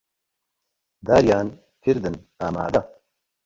داریان کردن ئامادە